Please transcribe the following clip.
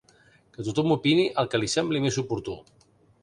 Que tothom opini el que li sembli més oportú.